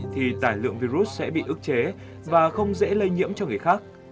thì tải lượng virus sẽ bị ức chế và không dễ lây nhiễm cho người khác